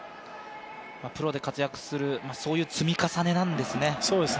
プロで活躍する、そういう積み重ねなんですね。